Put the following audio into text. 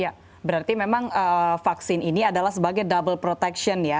ya berarti memang vaksin ini adalah sebagai double protection ya